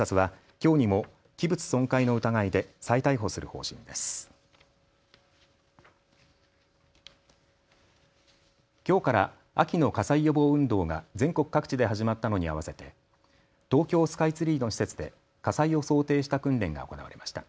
きょうから秋の火災予防運動が全国各地で始まったのに合わせて東京スカイツリーの施設で火災を想定した訓練が行われました。